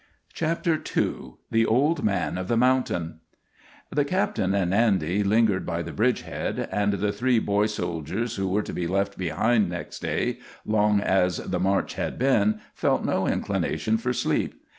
CHAPTER II THE OLD MAN OF THE MOUNTAIN The captain and Andy lingered by the bridgehead, and the three boy soldiers who were to be left behind next day, long as the march had been, felt no inclination for sleep.